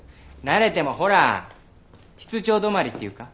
なれてもほら室長止まりっていうか。